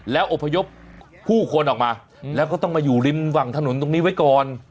แล้วอบพยพผู้คนออกมาแล้วก็ต้องมาอยู่ริมฝั่งถนนตรงนี้ไว้ก่อน